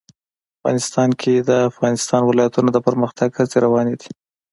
افغانستان کې د د افغانستان ولايتونه د پرمختګ هڅې روانې دي.